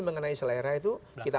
mengenai selera itu kita